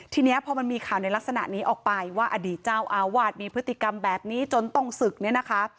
ทีนี้พอมันมีข่าวในลักษณะนี้ออกไปว่าอดีตเจ้าอาวาสมีพฤติกรรมแบบนี้จนต้องศึกเนี่ยนะคะ